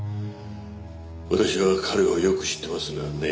私は彼をよく知ってますがね